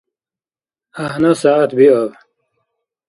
ГӀяхӀна сягӀят биаб!